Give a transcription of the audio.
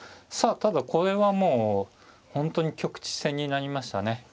さあただこれはもう本当に局地戦になりましたね。